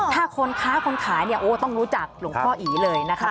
ถ้าคนค้าคนขายเนี่ยโอ้ต้องรู้จักหลวงพ่ออีเลยนะคะ